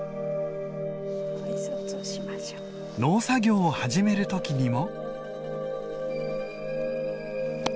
農作業を始める時にも。